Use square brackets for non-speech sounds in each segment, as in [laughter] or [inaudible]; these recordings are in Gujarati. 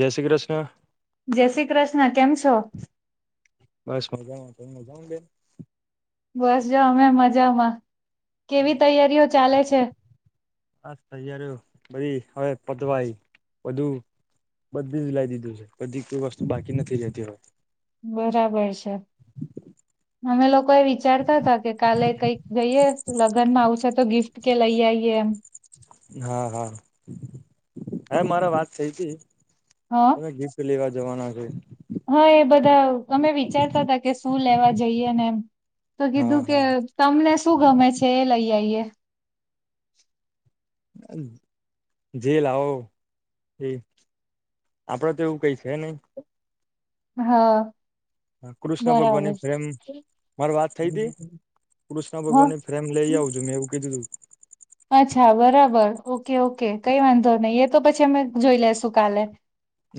જય શ્રી કૃષ્ણ. જય શ્રી કૃષ્ણ કેમ છો? બસ મજામાં. બસ જા અમે મજામાં કેવી તૈયારીઓ ચાલે છે? આ તૈયારીઓ બધી હવે પતવા આઈ બધું. બધી જ લાઈ દીધું છે. બધી કોઈ વસ્તુ બાકી નથી રહેતી હોય. બરાબર છે અમે લોકો એ વિચાર ચાલો સાથે કે કાલે કઈક જઈએ લગ્ન માં આવ છે તો ગિફ્ટ કે લઈ આવીઈએ એમ. હા હા હ મારે વાત થઈ હતી. હ તમે ગિફ્ટ લેવા જવાના છે. હા એ બધા અમે વિચારતા હતા કે શું લેવા જઈએ ને એમ. તો હા કીધું કે હા તમને શું ગમે છે એ લઈ આઈએ જે લાવો એ આપડે તો એવું કઈ છે નહી હા કૃષ્ણ ભગવાન બરાબર ની પ્રેમ મારી વાત થઈ તી કૃષ્ણ ભગવાન હ ની ફ્રેમ લઈ આવજો મેં એવું કીધું તું અચ્છા બરાબર ઓકે ઓકે કઈ વાંધો નહી એ તો પછી અમે જોઈ લેસુ કાલે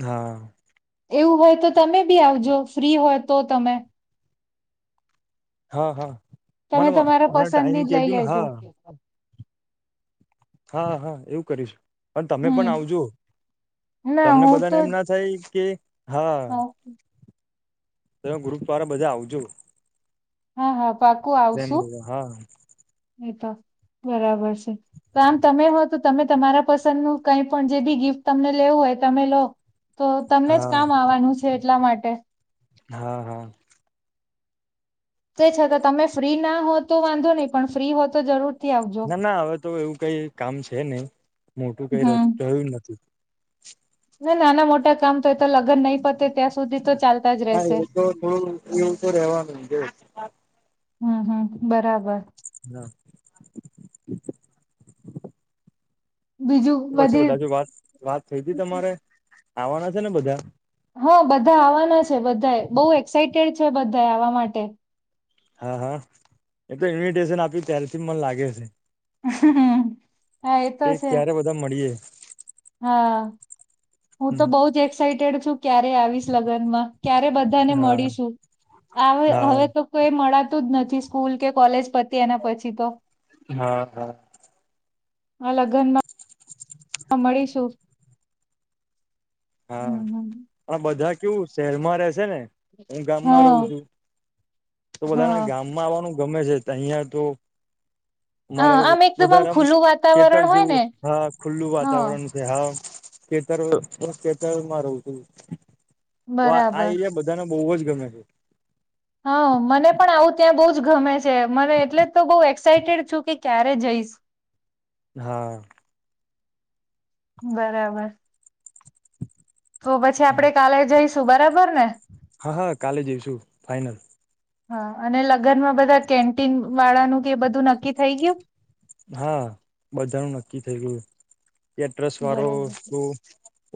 હા એવું હોય તો તમે બી આવજો ફ્રી હોય તો તમે હા હા તમે મને તમારા મને ટાઈમ પસંદની જ લઈ કેજોને લેજો હા હા હા એવું કરીશું પણ તમે પણ હમ આવજો ના તમને હું બધાને તો એમ ના થાય કે હા તમે ગ્રુપ દ્વારા બધા આવજો હા હા પાકું ફ્રેન્ડ આવશું લેવા હા એ તો બરાબર છે તો આમ તમે હો તો તમે તમારા પસંદ નું કઈ પણ જે બી ગિફ્ટ તમને લે તો એ તમેલોતો તમને જ હા કામ આવવાનું છે એટલા માટે હા હા તે છતાં તમે ફ્રી ના હો તો વાંધો નહી પણ ફ્રી હો તો જરૂર થી આવજો ના ના હવે તો એવું કઈ કામ છે નહી મોટું કઈ હમ રહ્યું નથી ના નાના મોટા કામ તો તો લગન નહી પતે ત્યાં સુધી તો ચાલતા હા રેસે એ તો હ હુ હુ બરાબર ના બીજું પછી બધી બધા જો વાત વાત થઈ હતી તમારે આવવાના છે ને બધા હા બધા આવવાના છે બધા બહુ એક્સાઈટેડ છે બધા આવા માટે હા હા એ તો ઇન્વિટેશન આપ્યું ત્ય્યારેથી મને લાગે છે હા એ તો કે છે ક્યારે બધા મળીએ હા હું તો બહુજ એક્સાઈટેડ છું ક્યારે આવીશ લગ્ન માં ક્યારે બધાને હા મળીશું આવે હા હવે તો કોઈ મળે તું જ નથી સ્કૂલ કે કોલેજ પતી એના પછી તો હા હા આ લગ્નમાં મળીશું હા હમ, હમ. આ બધા કેવું શહેરમાં રહેશે ને હું ગામમાં રહું હા છું તો હા બધાને ગામમાં આવવાનું ગમે છે તહિયાં તો મારે હા આમ એકદમ આમ વધારેામાં ખુલ્લું ખેતર વાતાવરણ હોય જેવું ને હા ખુલ્લું હા વાતાવરણ છે હા ખેતર ખેતરમાં રહું છું તો આ આ બરાબર એરિયા બધાના બહુ જ ગમે હા મને પણ આવું ત્યાં બહુ જ ગમે છે મને એટલે તો બહુ એક્સાઈટેડ છું કે ક્યારે જઈશ હા બરાબર તો પછી આપડે કાલે જઈશું બરાબર ને હા હા કાલે જઈશું ફાઈનલ હા અને લગ્નમાં બધા કેન્ટીન વાળાનું કે બધું નક્કી થઈ ગયું હા બધાનું નક્કી થઈ ગયું કેટ્સ વાળો બરાબર શ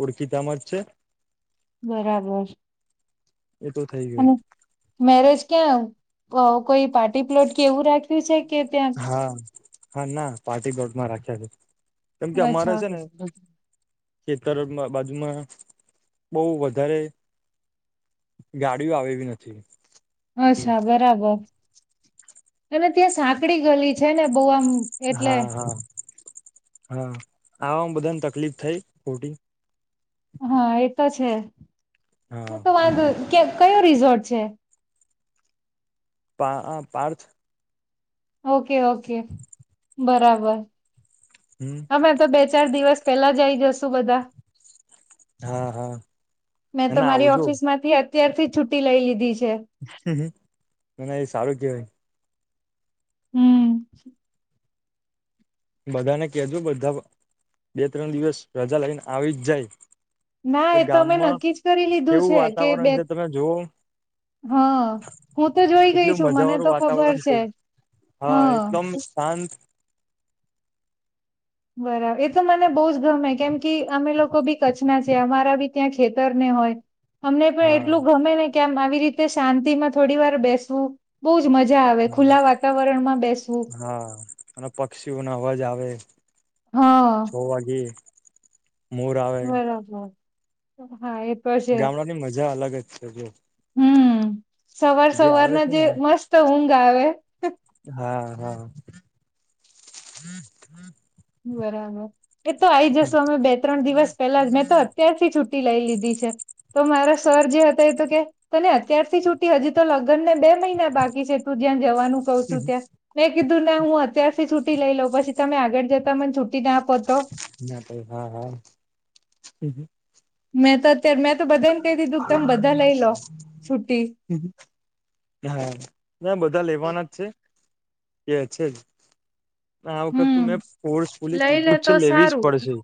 ઉડકીતામ જ છે બરાબર એતો થઈ ગઈ અને મેરેજ ક્યાં કોઈ પાર્ટી પ્લોટ કે એવું રાખ્યું છે. કે ત્યાં હા હા ના પાર્ટી પ્લોટ માં રાખ્યા છે. કેમ કે અમારે અચ્છા છે, ને. ખેતરમાં બાજુમાં બહુ વધારે. ગાડીઓ [unintelligible] નથી. અચ્છા બરાબર અને ત્યાં સાંકડી ગલી છે, ને બહુ આમ. એટલે હા હા હા. બધાને તકલીફ થઈ હા એતો છે, તો વાંધ કેમ કયો રિસોર્ટ છે. પા આ પાર્થ. ઓકે ઓકે બરાબર હમ હમે તો બે ચાર દિવસ. પેલા આઈ જશુ બધા. હા હા. મેં તો અને મારી આવજો ઓફિસ માંથી અત્યારથી છુઠી લઈ લીધી છે. [unintelligible] એ સારું કેવાય. હું. બધાને કજો બધા બે ત્રણ દિવસ રજા લઈને આવી જ જાય. ના એ તો અમે નક્કીજ કરી લીધું કેવું છે, કે વાતાવરણ બે છે તમે જોવો હા હું તો જોઈ ગઈ કેટલું છું, મજા મને તો વાળું ખબર વાતાવરણ છે. હા એકદમ શાંત. બરાબર એ તો મને બહુ જ ગમે કેમ કે અમે લોકો બી કચ્છના છે, અમારા બી. ત્યાં ખેતર ને હોય અમને પણ હા એટલું ગમે ને કે આમ આવી. એરીતે શાંતિ માં થોડી વાર બેસવું બહુ. મજા આવે ખુલ્લા વાતાવરણમાં બેસવું. હા અને પક્ષીઓને અવાજ આવે હા છ વાગેે. બરાબર. હા એ તો છે ગામડાની મજા અલગ જ છે, જો. હમ સવાર જે આવે સવારના છે જે ને મસ્ત ઊંઘ આવે. હા હા [unintelligible] બરાબર એ તો આઈ જસો અમે બે ત્રણ દિવસ પેલા જ મેં તો અત્યાર થી છુટી લઈ લીધી. [unintelligible] છે. તો મારા સર જે હતા એ તો કે તને અત્યારથી છુટી હજી તો લગ્ન ને બે મહિના બાકી છે, તું [unintelligible] જવાનું કઉછુ ત્યાં મેં કીધું ના હું અત્યારથી છુટી લઈ લઉં પછી તમે આગળ જતા મને છુટી. ના આપો તો ના ભઈ હા હા. મેં તો અત્યારે મેં તો બધાને કહી દીધું તમે બધા લઈ લો છુટી. હા આ વખત તો હમ મેં ફોર્સ ફુલી લઈ લે કીધું જ છે, તો લેવી જ સારું પડશે.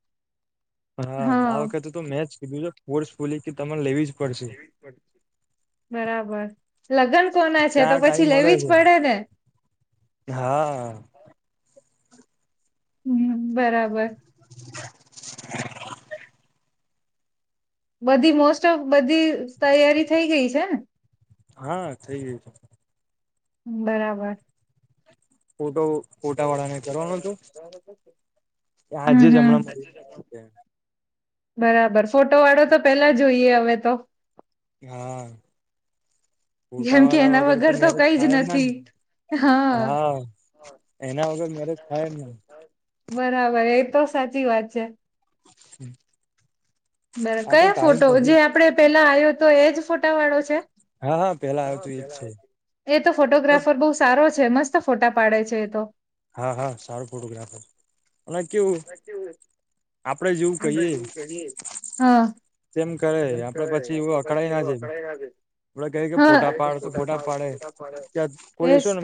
હા આ વખતે તો મેં જ કીધું છે ફોર્સફુલી કે તમારે લેવી જ પડશે બરાબર લગ્ન કોના છે, તો ક્યાં ટાઈમ પછી મળે લેવી જ પડે ને. છે હા હું બરાબર. [inaudible] બધી મોસ્ટ ઓફ બધી તૈયારી થઈ ગઈ છે, ને. હા થઈ. બર [inaudible] હમ આજે હમ બરાબર. [unintelligible] કેમ કે ફોટાવાળા એના વગર તો મેરેજ કઈ જ થાય ને નથી હા એના વગર મરેજ થાય જ ના બરાબર એ તો સાચી વાત છે હમ બરાબર કયા ફોટો જે આપડે પેલા આવ્યો તો એજ ફોટા વાળો છે હા હા પેલા આવ્યું તું એજ છે એ તો ફોટોગ્રાફર બહુ સારો છે મસ્ત ફોટા પાડે છે એ તો હા હા સારું ફોટોગ્રાફર કેવું આપડે જેવું કહીએ હા તેમ કરે ચેક આપડે પછી એવું કરે અકળાઈ પછી ના એવું જાય અકળાઈ આપડે કહીએ કે હા ફોટા એજતો પાડ તો ફોટા પાડે ત્યાં કોઈ શું ને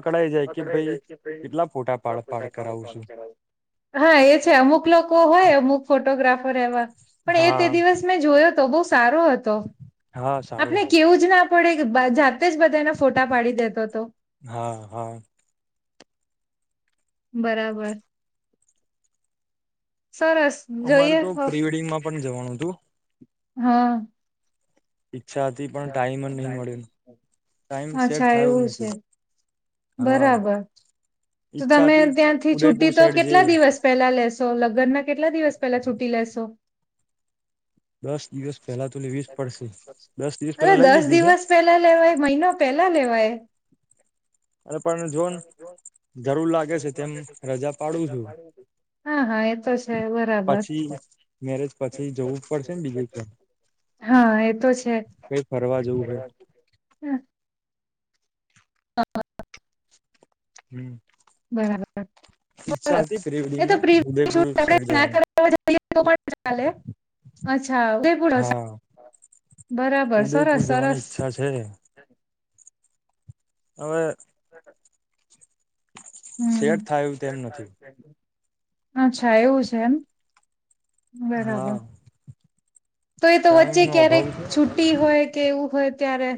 અકળાઈ જાય કે અકળાઈ ભાઈ જય પછી ફોટા કેટલા પાડ પાડ ફોટા કરાવું પડાય છું પડાય હા એ છે અમુક લોકો હોય અમુક ફોટોગ્રાફ એવા પણ એ હા તે દિવસ મેં જોયો તો બહુ સારો હતો હા સારું આપણે છે કેવું જ ના પડેએ જાતે જ બધા એને ફોટા પાડી દેતો હતો હા હા બરાબર સરસ અમારે જોઈએ તો પ્રી વેડિંગમાં પણ જવાનું હતું હા ઈચ્છા હતી પણ ટાઈમ જ નહીં મળ્યો ટાઈમ સેટ અચ્છા થયો એવું છે નથી હા બરાબર તો ઈચ્છા તમે હતી ત્યાંથી ઉદયપુર છુટીતો સાઈડ જે કેટલા દિવસ પેલા લેશો લગ્નના કેટલા દિવસ પેલા છુટી લેશો દસ દિવસ પેલા તો લેવી જ પડશે દસ દિવસ અરે પેલા લઈ દસ લીધી છે દિવસ પેલા લેવાય મહિનો પેલા લેવાય અને પણ જોવોને હા હા એતો છે બરાબર પછી મેરેજ પછી જવું પડશે ને બીજે ક્યા હા એતો છે જવું હોય હ [unintelligible] હમ. બરાબર ઈચ્છા હતી પ્રી વેડિંગમાં ઉદયપુર સાઈડ જવાની [unintelligible] અચ્છા હા બરાબર ઉદયપુર સરસ જવાની સરસ ઈચ્છા છે હવે [unintelligible] સેટ થાય એવું જે તેમ થાય નથી તેમ અચ્છા એવું છે એમ હા બરાબર તો એ તો ટાઈમ વચ્ચે નો ક્યારેક અભાવ છે છુટી હોય કેવું હોય ત્યારે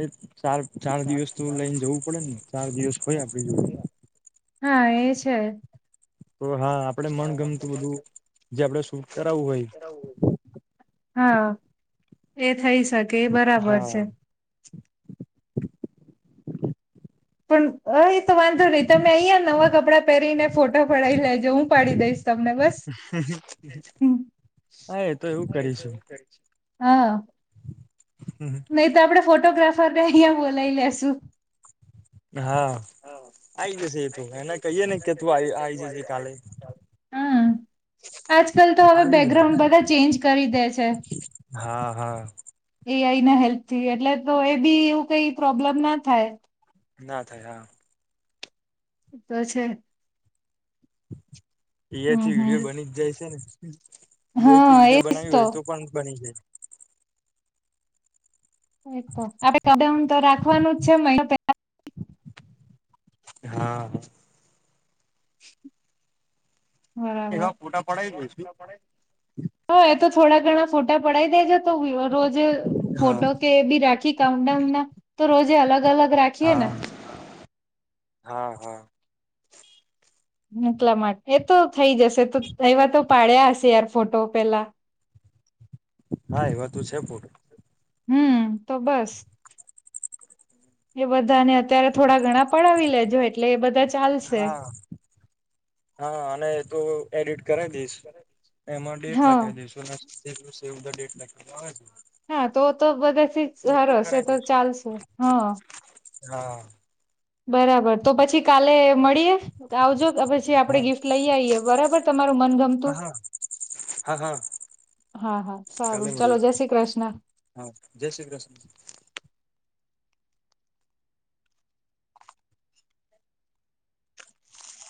એ ચાર ચાર દિવસ તો લઈને જવું પડે ને ચાર દિવસ હોય આપડી જોડે હા એ છે તો હા આપડે મન ગમતું બધું જે આપડે શૂટ કરાવવું હોય હા એ થઈ શકે એ બરાબર છે હા પણ અ એ તો વાંધો નહી તમે અહીંયા નવા કપડાં પહેરીને ફોટો પડી લઈ હું પાડી દઈશ તમને બસ હા તો એવું કરીશું હા નહી તો આપણેે ફોટોગ્રાફરને અહીયા બોલાવી લેશુ હા [inaudible] આઈ જશે એ તો એને કહીએ ને કે તું આઈ જજે કાલે આજકાલ તો હવે આવી જાય બેકગ્રાઉન્ડ બધા ચેન્જ કરી દે છે. હા હા એઆઈ ના હેલ્પથી એટલે તો એ બી એવું કઈ પ્રોબ્લેમ ના થાય ના થાય હા. તો છે. એ હમ થી વિડીિયો હમ બની જ જાય છે ને એથી હા વિડીિયો એજ બનાવી હોય તો પણ બની જાય તો આપડે કઉન તો રાખવાનું જ છે. પહેલા. હા હ. [inaudible] એવા ફોટા પડાય જઈશું. હા એ તો થોડા ઘણા ફોટા પડાઈ દેજો. તો રોજે હા ફોટો કે બી રાખી કાઉન્ટ ડાઉન ના તો રોજે અલગ અલગ રાખીએ ને હા હા હા. એટલા માટે એ તો થઈ જશે તો એવા તો પાડ્યા હશે યાર ફોટો પેલા હા એવા તું છે ફોટો. હું તો બસ. એ બધા ને અત્યારે થોડા ઘણા પડાવી લેજો એટલે એ બધા. ચાલશે હા હા અને તો એડિટ કરાવી દઈશ એમાં ડેટ હા લખી દઈશ અને બધા ડેટ લખી છે. હા તો તો બધાથી એ સરસ કરાવી તો દઈશું ચાલશે હા હા. બરાબર તો પછી કાલે મળીએ આવજો કે પછી આપડે હા ગિફ્ટ લઈ આવીઈએ બરાબર તમારું મન હા ગમતું. હા હા હા હા કાલે સારું ચલો મુડીએ જય શ્રી કૃષ્ણ હા જસ્ટ [unintelligible]